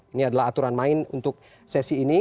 ini adalah aturan main untuk sesi ini